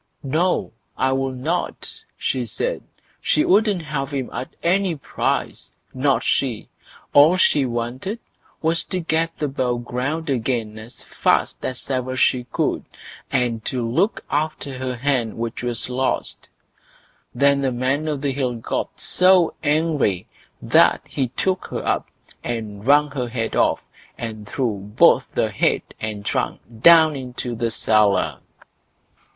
"No! I will not", she said. She wouldn't have him at any price! not she; all she wanted was to get above ground again as fast as ever she could, and to look after her hen which was lost. Then the Man o' the Hill got so angry that he took her up and wrung her head off, and threw both head and trunk down into the cellar.